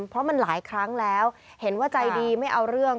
เพราะมันหลายครั้งแล้วเห็นว่าใจดีไม่เอาเรื่อง